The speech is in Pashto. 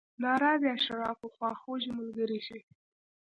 ناراضي اشرافو خواخوږي ملګرې شي.